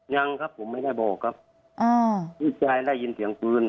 ยังครับผมไม่ได้บอกครับอ่าพี่ชายได้ยินเสียงปืน